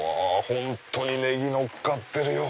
本当にネギのっかってるよ！